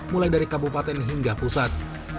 mulai dari kabupaten hingga pusat